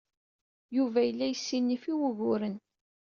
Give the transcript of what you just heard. Yuba yella yessinif i wuguren.